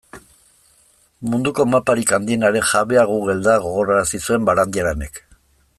Munduko maparik handienaren jabea Google da, gogorarazi zuen Barandiaranek.